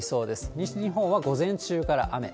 西日本は午前中から雨。